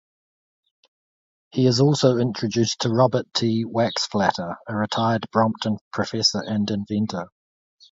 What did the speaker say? He is also introduced to Rupert T. Waxflatter, a retired Brompton professor and inventor.